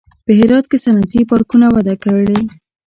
په هرات کې صنعتي پارکونه وده کړې